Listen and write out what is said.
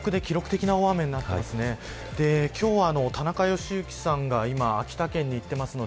日本は東北で記録的な大雨になっていますね。